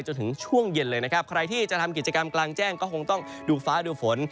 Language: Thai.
จนถึงช่วงเย็นเลยนะครับใครที่จะทำกิจกรรมกลางแจ้งก็คงต้องดูฟ้าดูฝน